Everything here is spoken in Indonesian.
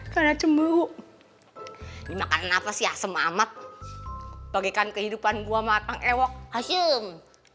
karena cemburu makan apa sih asem amat bagikan kehidupan gua matang ewek hasil